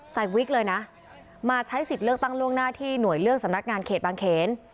วิกเลยนะมาใช้สิทธิ์เลือกตั้งล่วงหน้าที่หน่วยเลือกสำนักงานเขตบางเขน